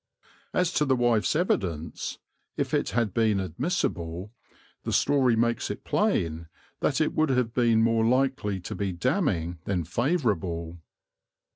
As to the wife's evidence, if it had been admissible, the story makes it plain that it would have been more likely to be damning than favourable.